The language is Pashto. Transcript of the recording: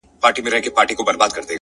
• یو ښکاري وو چي په ښکار کي د مرغانو ,